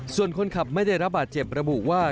ส่วนคนขับไม่ได้รับบาดเจ็บระบุว่า